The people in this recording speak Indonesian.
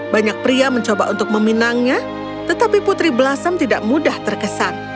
banyak pria mencoba untuk meminangnya tetapi putri belasan tidak mudah terkesan